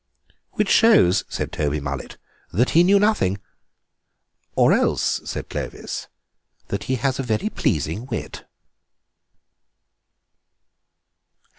"Which shows," said Toby Mullet, "that he knew nothing." "Or else," said Clovis, "that he has a very pleasing wit."